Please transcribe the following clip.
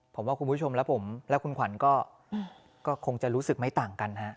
ผมว่าคุณผู้ชมและผมและคุณขวัญก็คงจะรู้สึกไม่ต่างกันฮะ